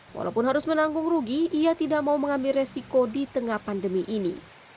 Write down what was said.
walaupun harus menanggung rugi ia tidak mau mengambil resiko di tengah pandemi ini